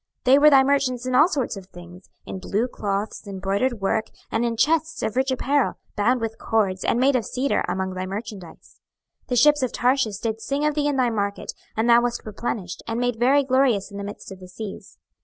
26:027:024 These were thy merchants in all sorts of things, in blue clothes, and broidered work, and in chests of rich apparel, bound with cords, and made of cedar, among thy merchandise. 26:027:025 The ships of Tarshish did sing of thee in thy market: and thou wast replenished, and made very glorious in the midst of the seas.